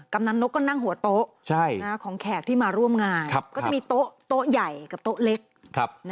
กำลังนกก็นั่งหัวโต๊ะของแขกที่มาร่วมงานก็จะมีโต๊ะใหญ่กับโต๊ะเล็ก